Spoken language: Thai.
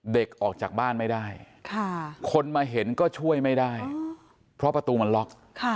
เด็กออกจากบ้านไม่ได้คนมาเห็นก็ช่วยไม่ได้เพราะประตูมันล็อก